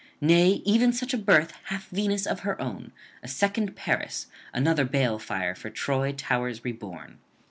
Nay, even such a birth hath Venus of her own, a second Paris, another balefire for Troy towers reborn.'